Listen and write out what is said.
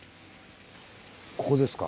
ここですか。